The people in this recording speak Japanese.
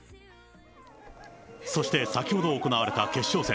そして先ほど行われた決勝戦。